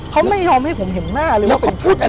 เขาไม่ยอมให้ผมเห็นหน้าเลยว่าผมพูดอะไร